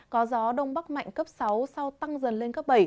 có gió đông bắc mạnh cấp sáu sau tăng dần lên cấp bảy